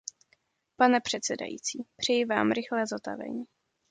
Pane předsedající, přeji vám rychlé zotavení.